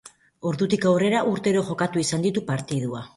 Ordutik aurrera urtero jokatu izan ditu partidua.